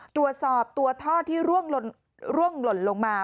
ตรวจสอบตัวท่อที่ร่วงหล่นลงมา